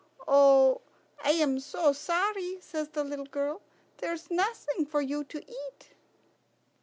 "Oh, I'm so sorry," says the little girl. "There's nothing for you to eat."